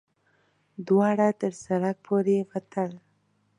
دواړه تر سړک پورې وتل.